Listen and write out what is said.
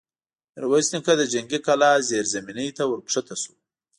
ميرويس نيکه د جنګي کلا زېرزميني ته ور کښه شو.